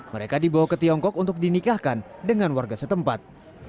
mereka dibawa ke tiongkok untuk dinikahkan dengan warga setempat